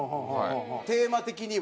テーマ的には？